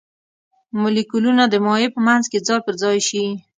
مالیکولونه د مایع په منځ کې ځای پر ځای شي.